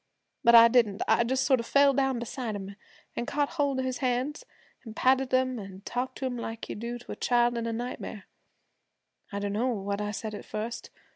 But I didn't. I just sort of fell down beside him, an' caught ahold of his hands, an' patted them an' talked to him like you do to a child in a nightmare. I don't know what I said at first.